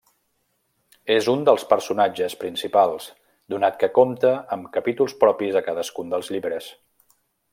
És un dels personatges principals donat que compta amb capítols propis a cadascun dels llibres.